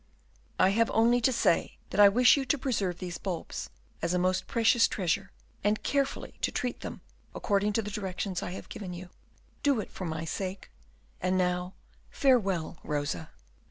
"I have only to say, that I wish you to preserve these bulbs as a most precious treasure, and carefully to treat them according to the directions I have given you. Do it for my sake, and now farewell, Rosa."